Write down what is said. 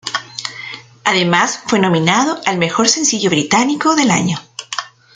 Además fue nominado en los al "Mejor sencillo británico del año".